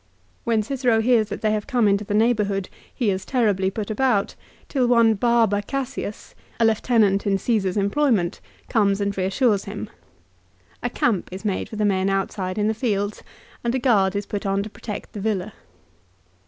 When Cicero hears that they have come into the neighbourhood he is terribly put about, till one Barba Cassius, a lieutenant in Caesar's employ ment, comes and reassures him. A camp is made for the men outside in the fields, and a guard is put on to protect the villa.